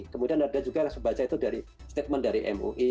kemudian ada juga yang saya baca itu dari statement dari mui